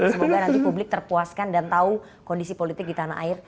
semoga nanti publik terpuaskan dan tahu kondisi politik di tanah air